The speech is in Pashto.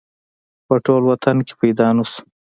په ټول وطن کې پیدا نه شو